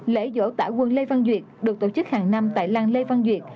lễ dỗ tả quân lê văn duyệt được tổ chức hàng năm tại làng lê văn duyệt